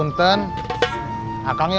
minta namanya isi